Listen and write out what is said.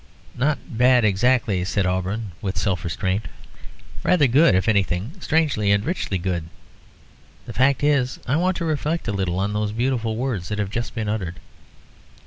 "Not bad exactly," said Auberon, with self restraint; "rather good, if anything. Strangely and richly good. The fact is, I want to reflect a little on those beautiful words that have just been uttered.